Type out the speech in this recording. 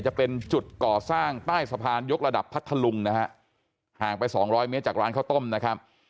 จะเป็นจุดก่อสร้างใต้สะพานยกระดับพัทธลุงนะฮะห่างไปสองร้อยเมตรจากร้านข้าวต้มนะครับ